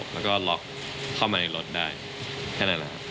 แล้วก็ล็อกเข้ามาในรถได้แค่นั้นแหละครับ